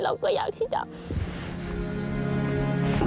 เราก็อยากที่จะทำเพื่อเขา